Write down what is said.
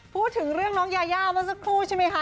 พูดถึงเรื่องน้องยายาเมื่อสักครู่ใช่ไหมคะ